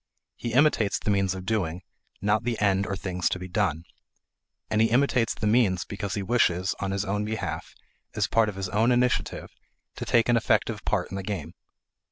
He imitates the means of doing, not the end or thing to be done. And he imitates the means because he wishes, on his own behalf, as part of his own initiative, to take an effective part in the game.